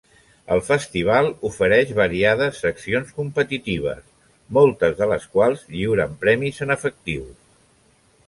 El festival ofereix variades seccions competitives, moltes de les quals lliuren premis en efectiu.